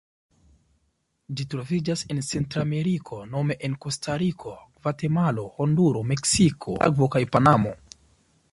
Ĝi troviĝas en Centrameriko nome en Kostariko, Gvatemalo, Honduro, Meksiko, Nikaragvo kaj Panamo.